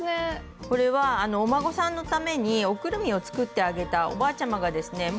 これはお孫さんのためにおくるみを作ってあげたおばあちゃまがですね